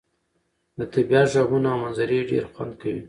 د طبيعت ږغونه او منظرې ډير خوند کوي.